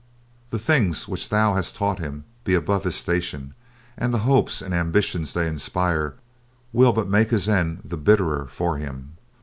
The things which thou hast taught him be above his station, and the hopes and ambitions they inspire will but make his end the bitterer for him.